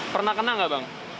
pernah kena enggak bang